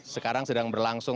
sekarang sedang berlangsung